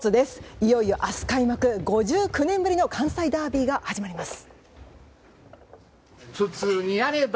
いよいよ明日開幕５９年ぶりの関西ダービーが始まります。